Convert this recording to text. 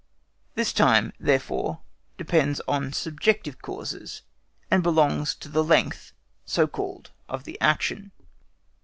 This time, therefore, depends on subjective causes, and belongs to the length, so called, of the action.